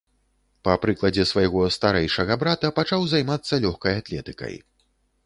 Па прыкладзе свайго старэйшага брата пачаў займацца лёгкай атлетыкай.